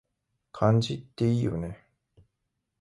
漢字っていいよね